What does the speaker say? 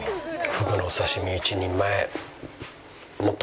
ふぐのお刺し身１人前。